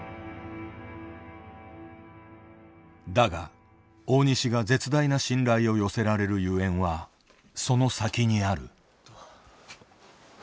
だが大西が絶大な信頼を寄せられるゆえんはその先にある。